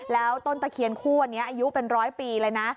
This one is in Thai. แล้วต้นตะเคียนคู่อันนี้อายุเป็นร้อยปีเลยนะ